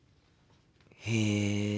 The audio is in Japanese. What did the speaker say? へえ。